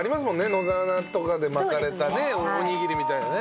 野沢菜とかで巻かれたねおにぎりみたいなね。